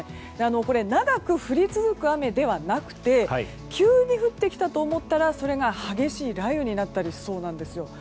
これ、長く降り続く雨ではなくて急に降ってきたと思ったらそれが激しい雷雨になったりしそうなんですよ。